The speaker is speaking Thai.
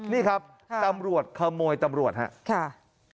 นี่ครับตำรวจขโมยตำรวจครับ